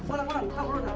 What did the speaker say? ini cara paling mudah